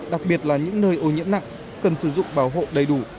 đặc biệt là những nơi ô nhiễm nặng cần sử dụng bảo hộ đầy đủ